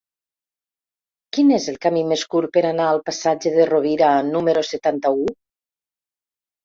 Quin és el camí més curt per anar al passatge de Rovira número setanta-u?